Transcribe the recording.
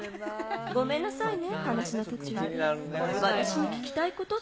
ごめんなさいね、話の途中で。